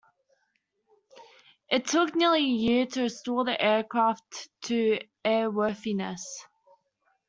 It took nearly a year to restore the aircraft to airworthiness.